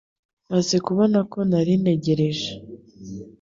Maze kubona ko nari ntegereje